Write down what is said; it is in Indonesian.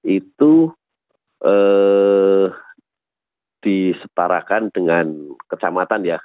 itu disetarakan dengan kecamatan ya